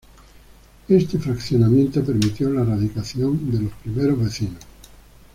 Este fraccionamiento permitió la radicación de los primeros vecinos.